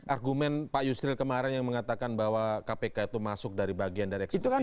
argumen pak yusril kemarin yang mengatakan bahwa kpk itu masuk dari bagian dari eksekutif